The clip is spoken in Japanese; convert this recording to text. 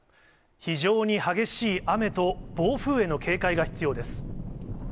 非常に激しい雨と暴風への警戒が必要です。